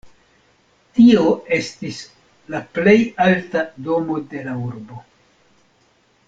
Tio estis la plej alta domo de la urbo.